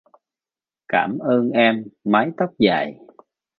Cảm ơn em mái tóc dài